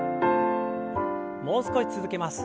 もう少し続けます。